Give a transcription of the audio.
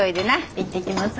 行ってきます。